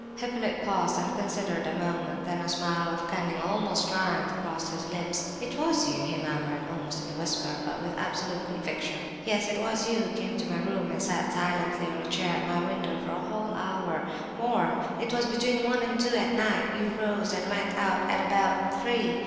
Hippolyte paused and considered a moment. Then a smile of cunning—almost triumph—crossed his lips. "It was you," he murmured, almost in a whisper, but with absolute conviction. "Yes, it was you who came to my room and sat silently on a chair at my window for a whole hour—more! It was between one and two at night; you rose and went out at about three.